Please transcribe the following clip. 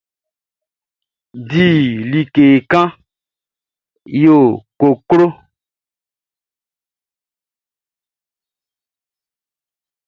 Di like kan ya koklo.